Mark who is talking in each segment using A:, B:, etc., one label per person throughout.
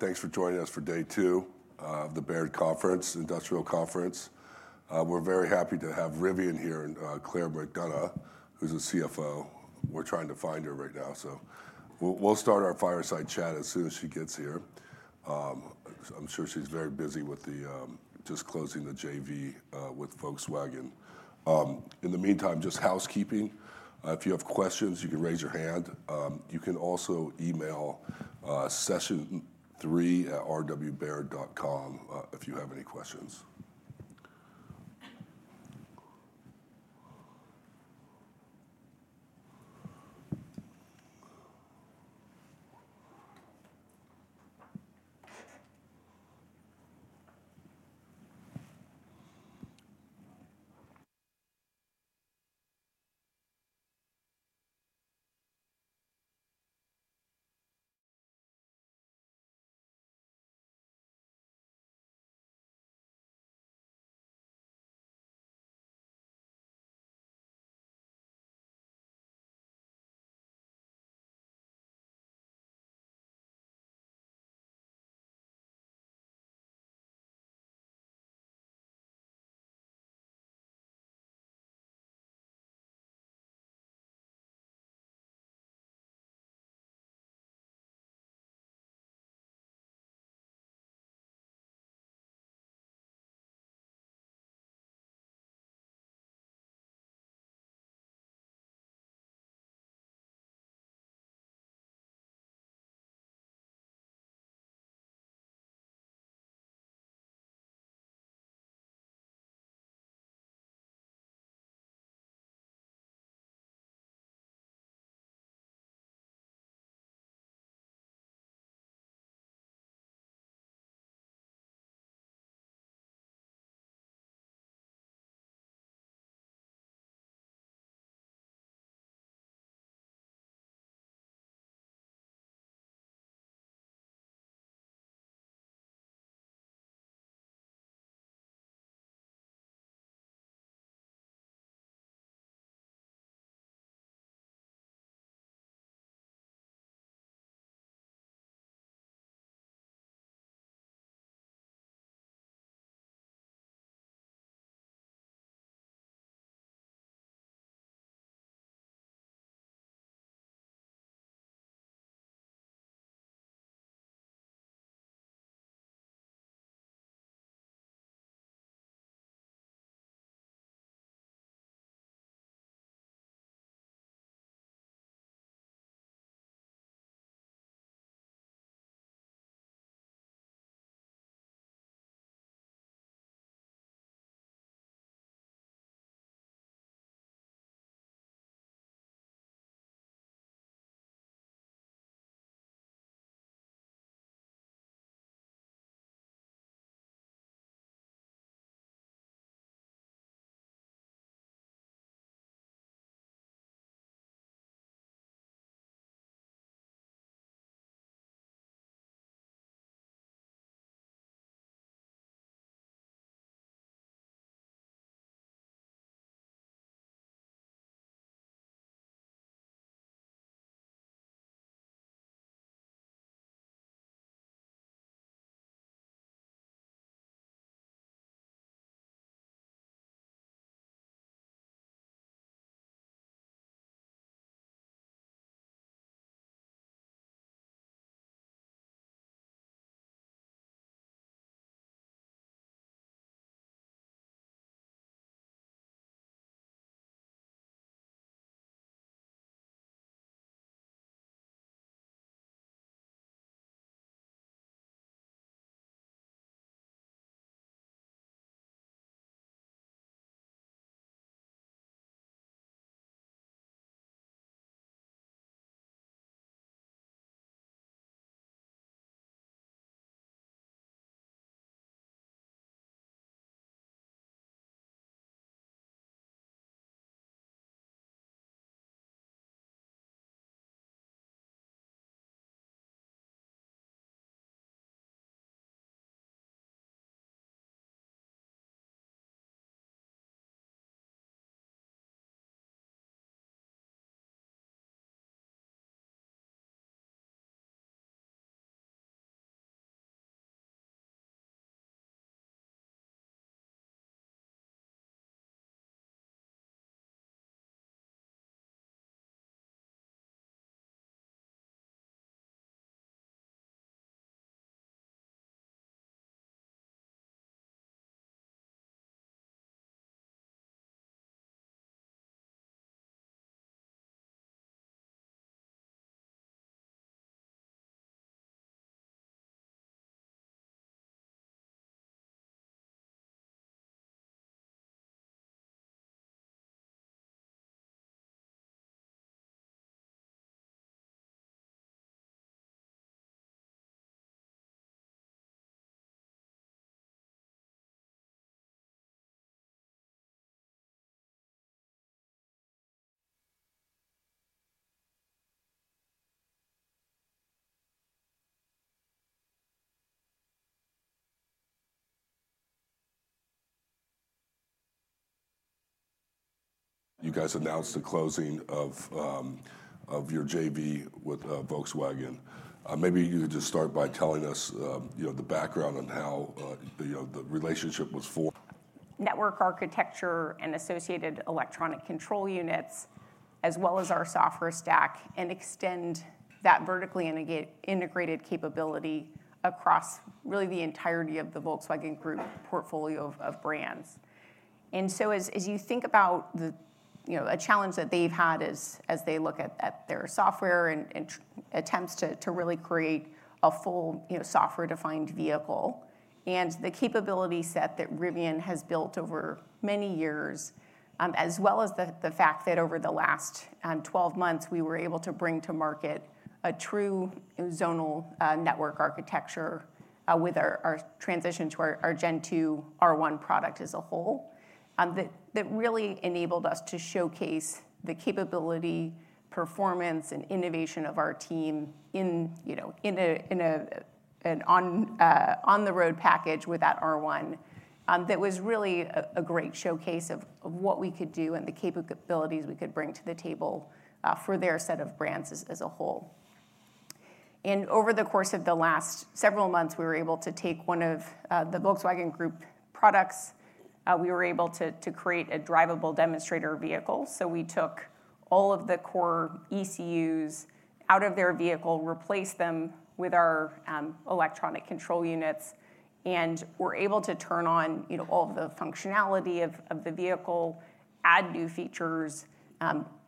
A: Thanks for joining us for day two of the Baird Conference, Industrial Conference. We're very happy to have Rivian here and Claire McDonough, who's the CFO. We're trying to find her right now, so we'll start our fireside chat as soon as she gets here. I'm sure she's very busy with just closing the JV with Volkswagen. In the meantime, just housekeeping: if you have questions, you can raise your hand. You can also email session3@rwbaird.com if you have any questions. You guys announced the closing of your JV with Volkswagen. Maybe you could just start by telling us the background on how the relationship was formed.
B: Network architecture and associated electronic control units, as well as our software stack, and extend that vertically integrated capability across really the entirety of the Volkswagen Group portfolio of brands, and so as you think about a challenge that they've had as they look at their software and attempts to really create a full software-defined vehicle, and the capability set that Rivian has built over many years, as well as the fact that over the last 12 months. We were able to bring to market a true zonal network architecture with our transition to our Gen 2 R1 product as a whole, that really enabled us to showcase the capability, performance, and innovation of our team in an on-the-road package with that R1 that was really a great showcase of what we could do and the capabilities we could bring to the table for their set of brands as a whole. Over the course of the last several months, we were able to take one of the Volkswagen Group products. We were able to create a drivable demonstrator vehicle. We took all of the core ECUs out of their vehicle, replaced them with our electronic control units, and were able to turn on all of the functionality of the vehicle, add new features,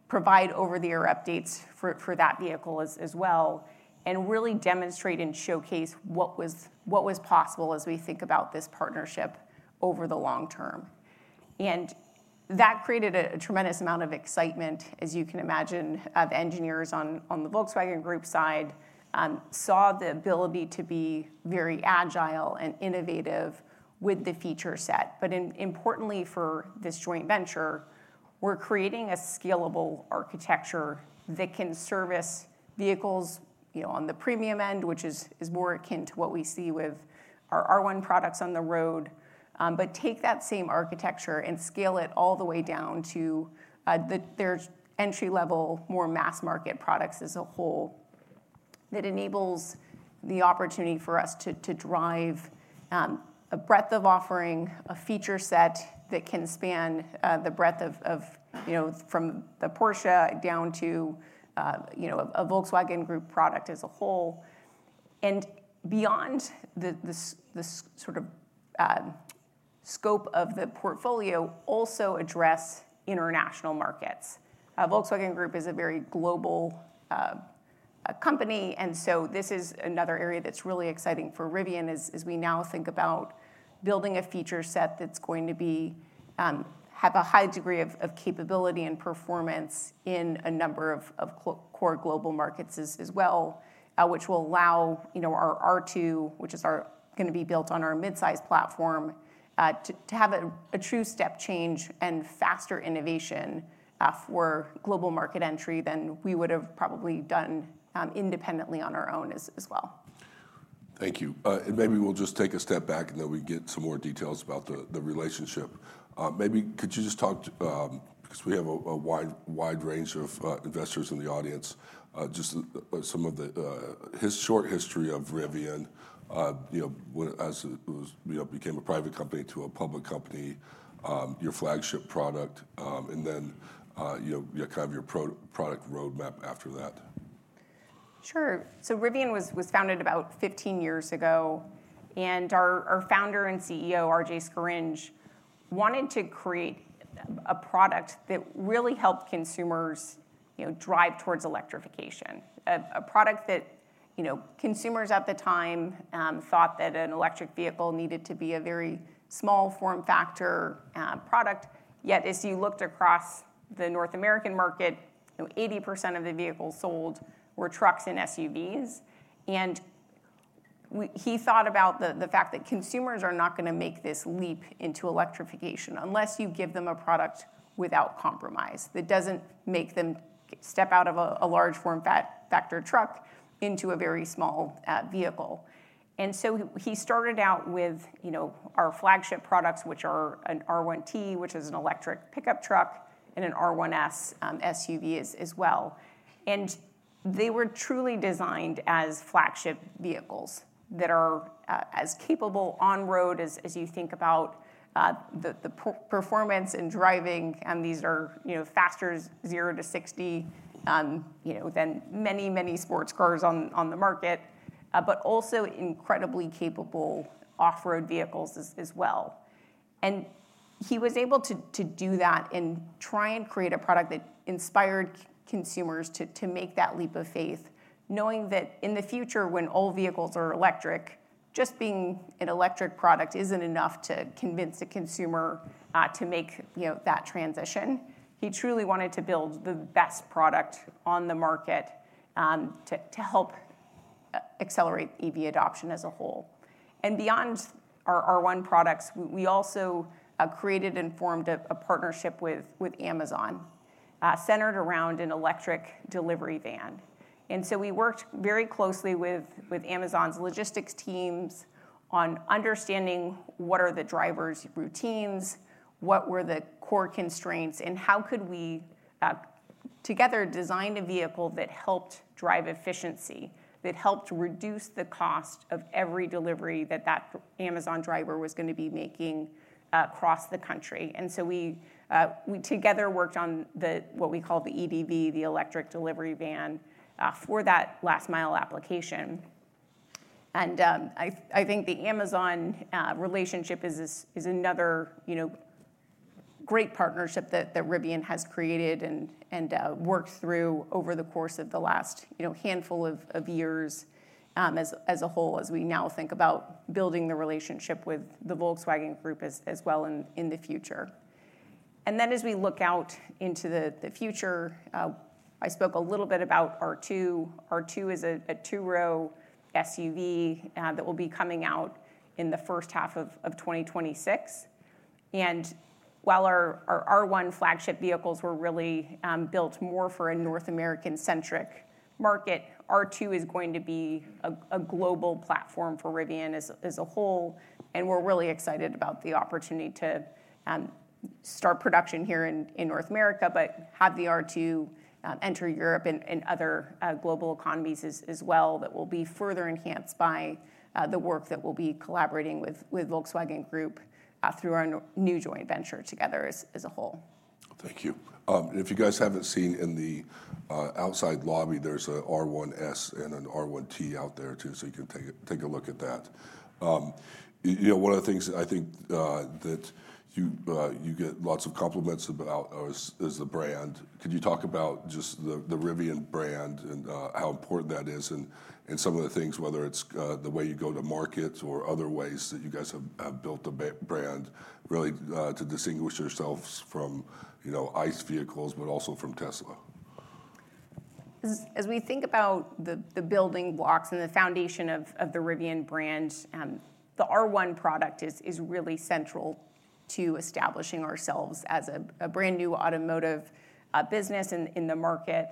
B: provide over-the-air updates for that vehicle as well, and really demonstrate and showcase what was possible as we think about this partnership over the long term. That created a tremendous amount of excitement, as you can imagine. The engineers on the Volkswagen Group side saw the ability to be very agile and innovative with the feature set. But importantly for this joint venture, we're creating a scalable architecture that can service vehicles on the premium end, which is more akin to what we see with our R1 products on the road, but take that same architecture and scale it all the way down to their entry-level, more mass-market products as a whole. That enables the opportunity for us to drive a breadth of offering, a feature set that can span the breadth from the Porsche down to a Volkswagen Group product as a whole. And beyond the sort of scope of the portfolio, also address international markets. Volkswagen Group is a very global company, and so this is another area that's really exciting for Rivian as we now think about building a feature set that's going to have a high degree of capability and performance in a number of core global markets as well, which will allow our R2, which is going to be built on our midsize platform, to have a true step change and faster innovation for global market entry than we would have probably done independently on our own as well.
A: Thank you, and maybe we'll just take a step back and then we get some more details about the relationship. Maybe could you just talk, because we have a wide range of investors in the audience, just some of the short history of Rivian, as it became a private company to a public company, your flagship product, and then kind of your product roadmap after that.
B: Sure, so Rivian was founded about 15 years ago, and our founder and CEO, RJ Scaringe, wanted to create a product that really helped consumers drive towards electrification, a product that consumers at the time thought that an electric vehicle needed to be a very small form factor product, yet as you looked across the North American market, 80% of the vehicles sold were trucks and SUVs, and he thought about the fact that consumers are not going to make this leap into electrification unless you give them a product without compromise that doesn't make them step out of a large form factor truck into a very small vehicle, and so he started out with our flagship products, which are an R1T, which is an electric pickup truck, and an R1S SUV as well. And they were truly designed as flagship vehicles that are as capable on road as you think about the performance and driving, and these are faster 0-60 than many, many sports cars on the market, but also incredibly capable off-road vehicles as well. And he was able to do that and try and create a product that inspired consumers to make that leap of faith, knowing that in the future, when all vehicles are electric, just being an electric product isn't enough to convince a consumer to make that transition. He truly wanted to build the best product on the market to help accelerate EV adoption as a whole. And beyond our R1 products, we also created and formed a partnership with Amazon centered around an Electric Delivery Van. And so we worked very closely with Amazon's logistics teams on understanding what are the driver's routines, what were the core constraints, and how could we together design a vehicle that helped drive efficiency, that helped reduce the cost of every delivery that that Amazon driver was going to be making across the country. And so we together worked on what we call the EDV, the Electric Delivery Van, for that last-mile application. And I think the Amazon relationship is another great partnership that Rivian has created and worked through over the course of the last handful of years as a whole as we now think about building the relationship with the Volkswagen Group as well in the future. And then as we look out into the future, I spoke a little bit about R2. R2 is a two-row SUV that will be coming out in the first half of 2026. And while our R1 flagship vehicles were really built more for a North American-centric market, R2 is going to be a global platform for Rivian as a whole, and we're really excited about the opportunity to start production here in North America, but have the R2 enter Europe and other global economies as well that will be further enhanced by the work that we'll be collaborating with Volkswagen Group through our new joint venture together as a whole.
A: Thank you. And if you guys haven't seen in the outside lobby, there's an R1S and an R1T out there too, so you can take a look at that. One of the things I think that you get lots of compliments about is the brand. Could you talk about just the Rivian brand and how important that is and some of the things, whether it's the way you go to market or other ways that you guys have built a brand really to distinguish yourselves from ICE vehicles, but also from Tesla?
B: As we think about the building blocks and the foundation of the Rivian brand, the R1 product is really central to establishing ourselves as a brand new automotive business in the market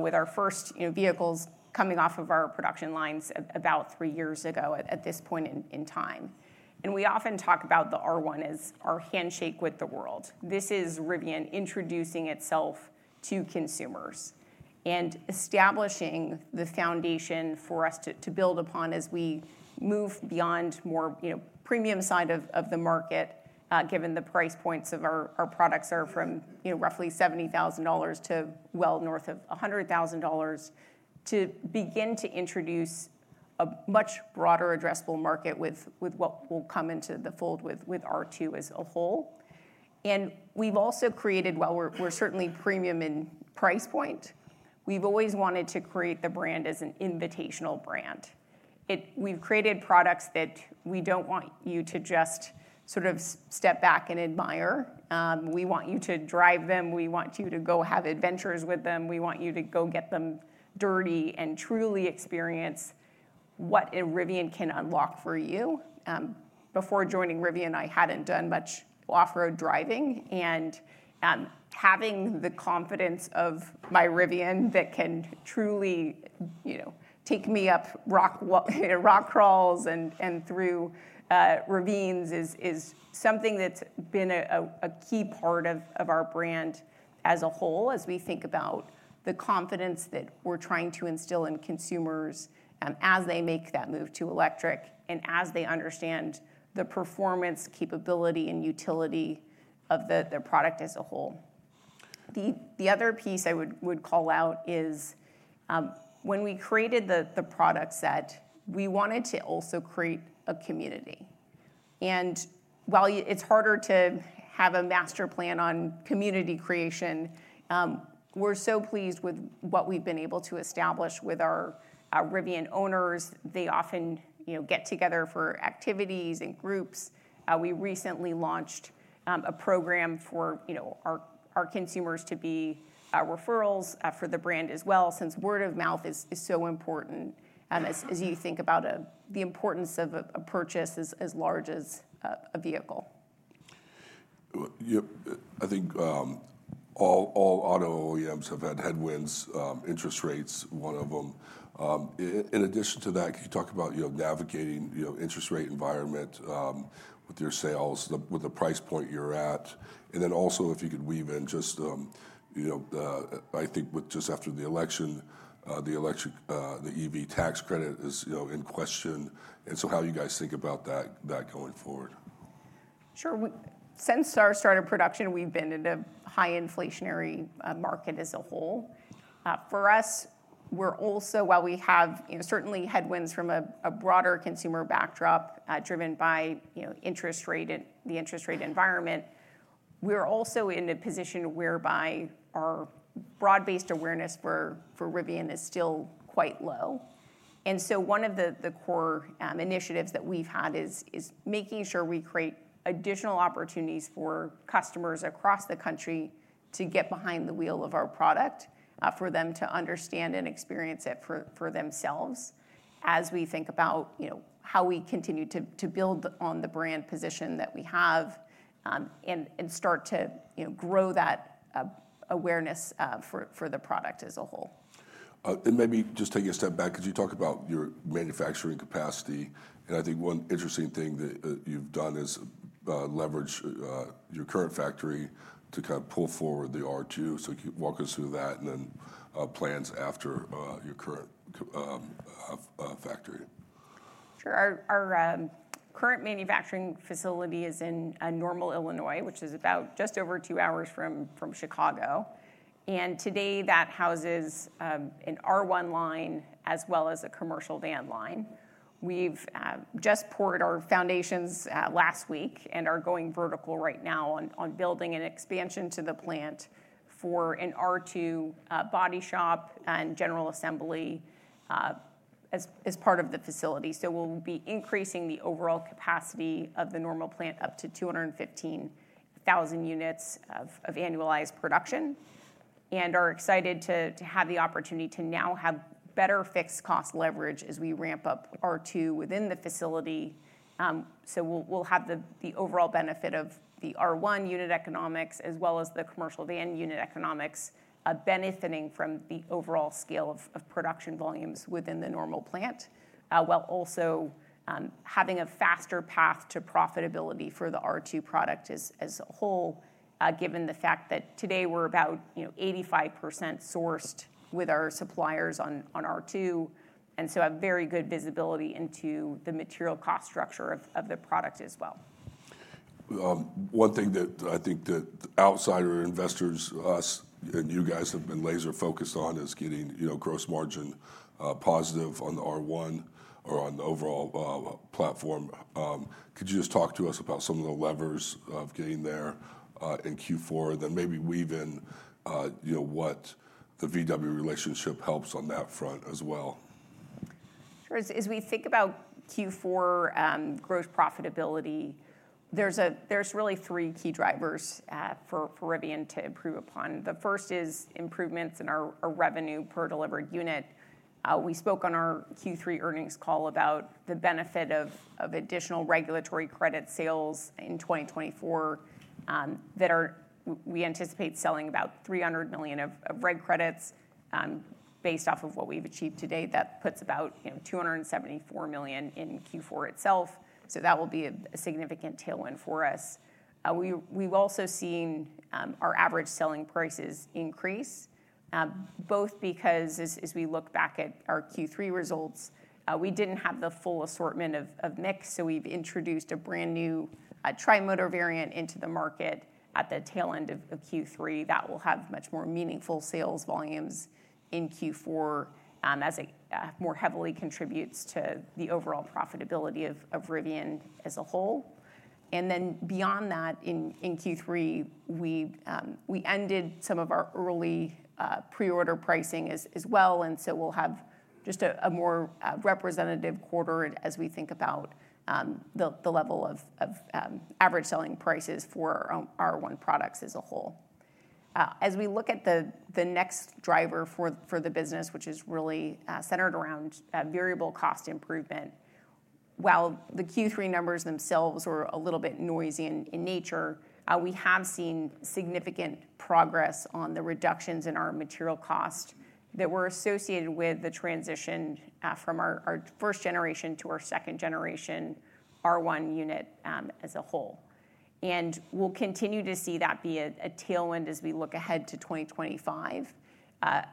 B: with our first vehicles coming off of our production lines about three years ago at this point in time, and we often talk about the R1 as our handshake with the world. This is Rivian introducing itself to consumers and establishing the foundation for us to build upon as we move beyond more premium side of the market, given the price points of our products are from roughly $70,000 to well north of $100,000, to begin to introduce a much broader addressable market with what will come into the fold with R2 as a whole, and we've also created, while we're certainly premium in price point, we've always wanted to create the brand as an invitational brand. We've created products that we don't want you to just sort of step back and admire. We want you to drive them. We want you to go have adventures with them. We want you to go get them dirty and truly experience what Rivian can unlock for you. Before joining Rivian, I hadn't done much off-road driving, and having the confidence of my Rivian that can truly take me up rock crawls and through ravines is something that's been a key part of our brand as a whole as we think about the confidence that we're trying to instill in consumers as they make that move to electric and as they understand the performance, capability, and utility of the product as a whole. The other piece I would call out is when we created the product set, we wanted to also create a community. While it's harder to have a master plan on community creation, we're so pleased with what we've been able to establish with our Rivian owners. They often get together for activities and groups. We recently launched a program for our consumers to be referrals for the brand as well, since word of mouth is so important as you think about the importance of a purchase as large as a vehicle.
A: I think all auto OEMs have had headwinds, interest rates one of them. In addition to that, can you talk about navigating the interest rate environment with your sales, with the price point you're at? And then also if you could weave in just, I think just after the election, the EV tax credit is in question. And so how do you guys think about that going forward?
B: Sure. Since our start of production, we've been in a high inflationary market as a whole. For us, we're also, while we have certainly headwinds from a broader consumer backdrop driven by the interest rate environment, we're also in a position whereby our broad-based awareness for Rivian is still quite low. And so one of the core initiatives that we've had is making sure we create additional opportunities for customers across the country to get behind the wheel of our product for them to understand and experience it for themselves as we think about how we continue to build on the brand position that we have and start to grow that awareness for the product as a whole.
A: And maybe just take a step back because you talk about your manufacturing capacity. And I think one interesting thing that you've done is leverage your current factory to kind of pull forward the R2. So walk us through that and then plans after your current factory.
B: Sure. Our current manufacturing facility is in Normal, Illinois, which is about just over two hours from Chicago, and today that houses an R1 line as well as a commercial van line. We've just poured our foundations last week and are going vertical right now on building an expansion to the plant for an R2 body shop and general assembly as part of the facility. So we'll be increasing the overall capacity of the Normal plant up to 215,000 units of annualized production, and are excited to have the opportunity to now have better fixed cost leverage as we ramp up R2 within the facility. So we'll have the overall benefit of the R1 unit economics as well as the commercial van unit economics benefiting from the overall scale of production volumes within the Normal plant, while also having a faster path to profitability for the R2 product as a whole, given the fact that today we're about 85% sourced with our suppliers on R2, and so a very good visibility into the material cost structure of the product as well.
A: One thing that I think that outside investors, us and you guys have been laser-focused on is getting gross margin positive on the R1 or on the overall platform. Could you just talk to us about some of the levers of getting there in Q4, then maybe weave in what the VW relationship helps on that front as well?
B: Sure. As we think about Q4 gross profitability, there's really three key drivers for Rivian to improve upon. The first is improvements in our revenue per delivered unit. We spoke on our Q3 earnings call about the benefit of additional regulatory credit sales in 2024 that we anticipate selling about $300 million of regulatory credits based off of what we've achieved today. That puts about $274 million in Q4 itself. So that will be a significant tailwind for us. We've also seen our average selling prices increase, both because as we look back at our Q3 results, we didn't have the full assortment of mix. So we've introduced a brand new Tri-Motor variant into the market at the tail end of Q3 that will have much more meaningful sales volumes in Q4 as it more heavily contributes to the overall profitability of Rivian as a whole. And then beyond that, in Q3, we ended some of our early pre-order pricing as well. And so we'll have just a more representative quarter as we think about the level of average selling prices for our R1 products as a whole. As we look at the next driver for the business, which is really centered around variable cost improvement, while the Q3 numbers themselves were a little bit noisy in nature, we have seen significant progress on the reductions in our material cost that were associated with the transition from our first generation to our second generation R1 unit as a whole. And we'll continue to see that be a tailwind as we look ahead to 2025,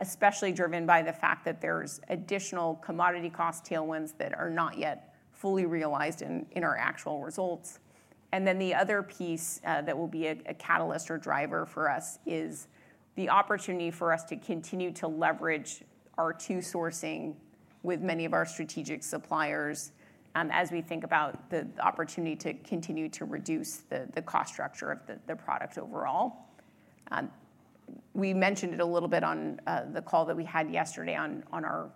B: especially driven by the fact that there's additional commodity cost tailwinds that are not yet fully realized in our actual results. And then the other piece that will be a catalyst or driver for us is the opportunity for us to continue to leverage R2 sourcing with many of our strategic suppliers as we think about the opportunity to continue to reduce the cost structure of the product overall. We mentioned it a little bit on the call that we had yesterday on our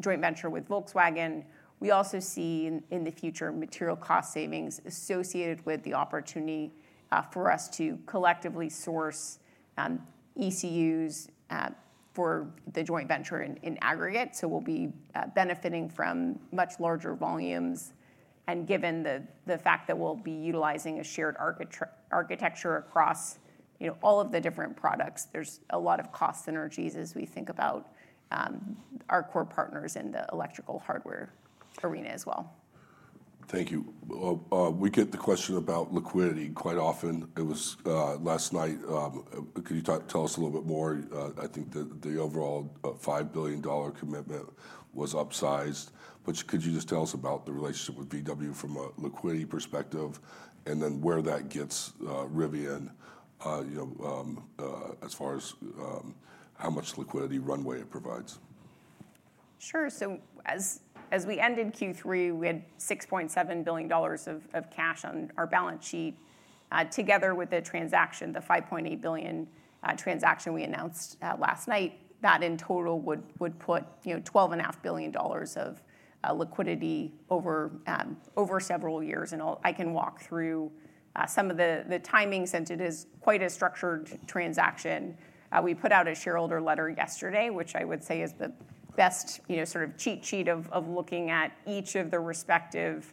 B: joint venture with Volkswagen. We also see in the future material cost savings associated with the opportunity for us to collectively source ECUs for the joint venture in aggregate. So we'll be benefiting from much larger volumes. And given the fact that we'll be utilizing a shared architecture across all of the different products, there's a lot of cost synergies as we think about our core partners in the electrical hardware arena as well.
A: Thank you. We get the question about liquidity quite often. It was last night. Could you tell us a little bit more? I think the overall $5 billion commitment was upsized. But could you just tell us about the relationship with VW from a liquidity perspective and then where that gets Rivian as far as how much liquidity runway it provides?
B: Sure. As we ended Q3, we had $6.7 billion of cash on our balance sheet. Together with the transaction, the $5.8 billion transaction we announced last night, that in total would put $12.5 billion of liquidity over several years. I can walk through some of the timing since it is quite a structured transaction. We put out a shareholder letter yesterday, which I would say is the best sort of cheat sheet of looking at each of the respective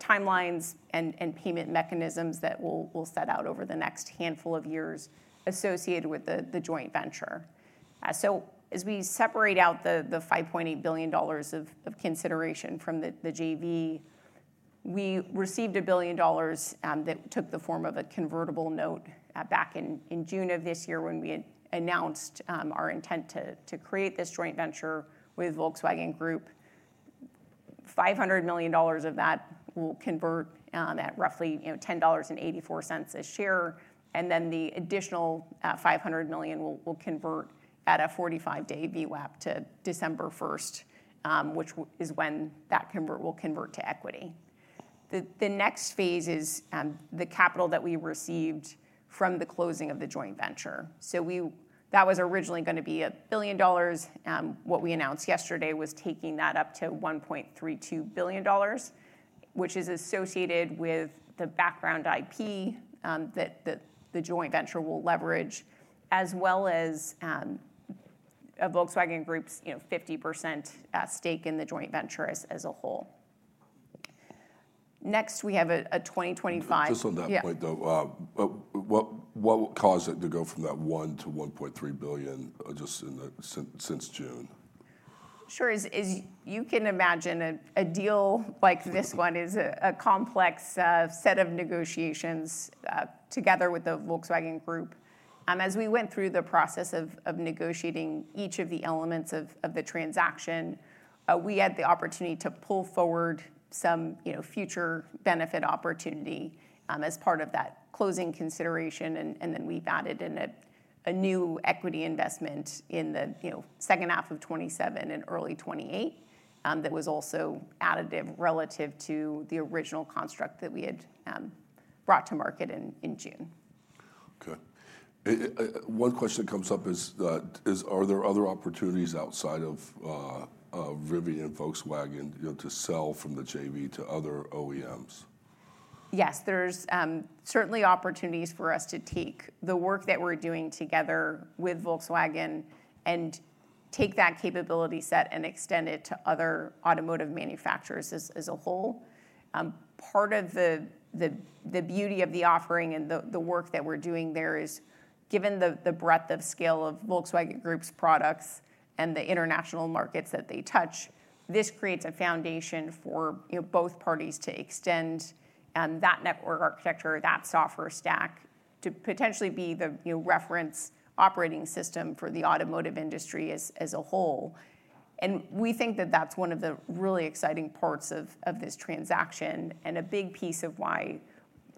B: timelines and payment mechanisms that we'll set out over the next handful of years associated with the joint venture. As we separate out the $5.8 billion of consideration from the JV, we received $1 billion that took the form of a convertible note back in June of this year when we announced our intent to create this joint venture with Volkswagen Group. $500 million of that will convert at roughly $10.84 a share. And then the additional $500 million will convert at a 45-day VWAP to December 1st, which is when that will convert to equity. The next phase is the capital that we received from the closing of the joint venture. So that was originally going to be $1 billion. What we announced yesterday was taking that up to $1.32 billion, which is associated with the background IP that the joint venture will leverage, as well as Volkswagen Group's 50% stake in the joint venture as a whole. Next, we have a 2025.
A: Just on that point though, what caused it to go from that $1 billion to $1.3 billion just since June?
B: Sure. As you can imagine, a deal like this one is a complex set of negotiations together with the Volkswagen Group. As we went through the process of negotiating each of the elements of the transaction, we had the opportunity to pull forward some future benefit opportunity as part of that closing consideration, and then we've added in a new equity investment in the second half of 2027 and early 2028 that was also additive relative to the original construct that we had brought to market in June.
A: Okay. One question that comes up is, are there other opportunities outside of Rivian and Volkswagen to sell from the JV to other OEMs?
B: Yes, there's certainly opportunities for us to take the work that we're doing together with Volkswagen and take that capability set and extend it to other automotive manufacturers as a whole. Part of the beauty of the offering and the work that we're doing there is, given the breadth of scale of Volkswagen Group's products and the international markets that they touch, this creates a foundation for both parties to extend that network architecture, that software stack to potentially be the reference operating system for the automotive industry as a whole. And we think that that's one of the really exciting parts of this transaction and a big piece of why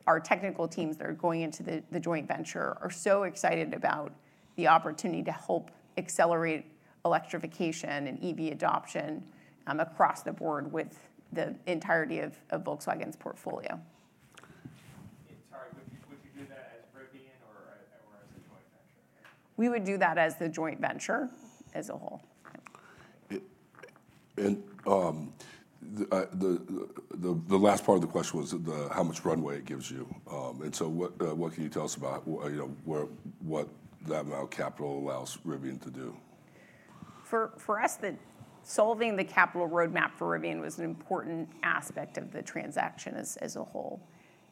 B: our technical teams that are going into the joint venture are so excited about the opportunity to help accelerate electrification and EV adoption across the board with the entirety of Volkswagen's portfolio. Sorry, would you do that as Rivian or as a joint venture? We would do that as the joint venture as a whole.
A: The last part of the question was how much runway it gives you. So what can you tell us about what that amount of capital allows Rivian to do?
B: For us, solving the capital roadmap for Rivian was an important aspect of the transaction as a whole.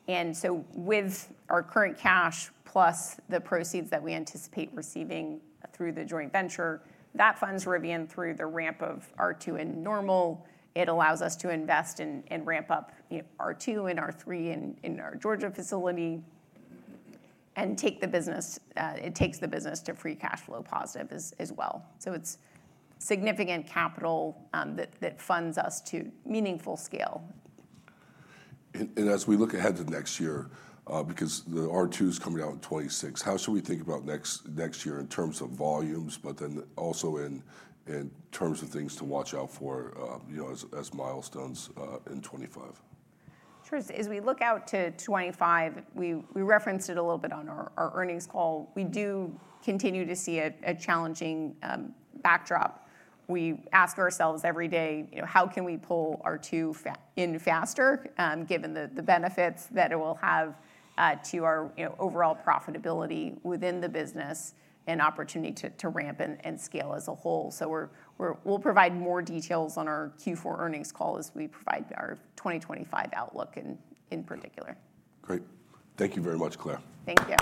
B: And so with our current cash plus the proceeds that we anticipate receiving through the joint venture, that funds Rivian through the ramp of R2 and Normal. It allows us to invest and ramp up R2 and R3 in our Georgia facility and take the business. It takes the business to free cash flow positive as well. So it's significant capital that funds us to meaningful scale.
A: And as we look ahead to next year, because the R2 is coming out in 2026, how should we think about next year in terms of volumes, but then also in terms of things to watch out for as milestones in 2025?
B: Sure. As we look out to 2025, we referenced it a little bit on our earnings call. We do continue to see a challenging backdrop. We ask ourselves every day, how can we pull R2 in faster given the benefits that it will have to our overall profitability within the business and opportunity to ramp and scale as a whole? So we'll provide more details on our Q4 earnings call as we provide our 2025 outlook in particular.
A: Great. Thank you very much, Claire.
B: Thank you.